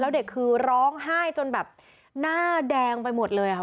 แล้วเด็กคือร้องไห้จนแบบหน้าแดงไปหมดเลยค่ะ